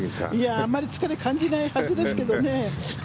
あまり疲れ感じないはずですけどね。